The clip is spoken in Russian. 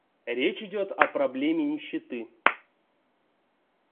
Речь идет о проблеме нищеты.